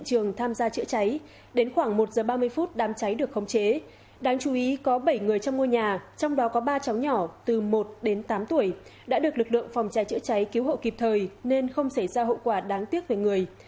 có bảy người trong ngôi nhà trong đó có ba cháu nhỏ từ một đến tám tuổi đã được lực lượng phòng cháy chữa cháy cứu hộ kịp thời nên không xảy ra hậu quả đáng tiếc về người